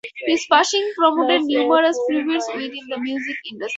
His passing prompted numerous tributes within the music industry.